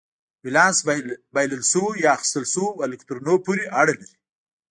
ولانس بایلل شوو یا اخیستل شوو الکترونونو پورې اړه لري.